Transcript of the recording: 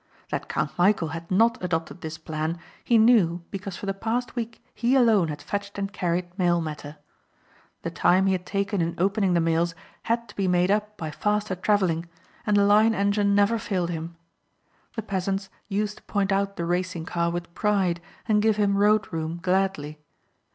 That Count Michæl had not adopted this plan he knew because for the past week he alone had fetched and carried mail matter. The time he had taken in opening the mails had to be made up by faster travelling and the Lion engine never failed him. The peasants used to point out the racing car with pride and give him road room gladly.